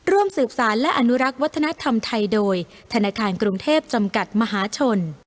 ร่วมสืบสารและอนุรักษ์วัฒนธรรมไทยโดยธนาคารกรุงเทพจำกัดมหาชน